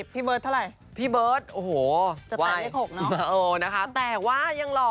พี่เบิร์ทเท่าไรโอ้โหวายนะคะแต่ว่ายังหล่อ